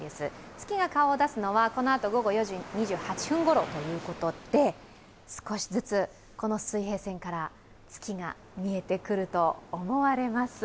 月が顔を出すのはこのあと午後４時２８分ごろということで少しずつ、この水平線から月が見えてくると思われます。